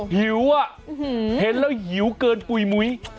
หิวอะเห็นแล้วหิวเกินปุ๋ยมุ้ย